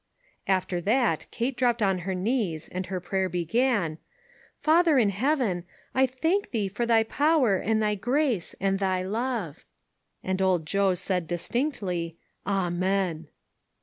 After that, Kate dropped on her knees, and her prayer began :" Father in Heaven, I thank thee for thy power and thy grace and thy love." And old Joe said distinctly :" Amen